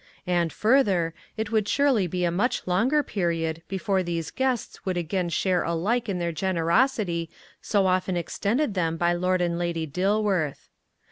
And, further, it would surely be a much longer period before these guests would again share alike in the generosity so often extended them by Lord and Lady Dilworth.